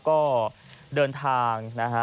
ก็เดินทางนะฮะ